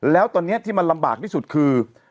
แล้วตอนนี้ที่มันลำบากที่สุดคือ